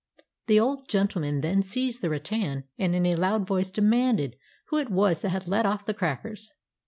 The old gentleman then seized the rattan and in a loud voice demanded who it was that had let off the crackers.